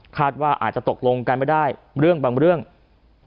ว่าอาจจะตกลงกันไม่ได้เรื่องบางเรื่อง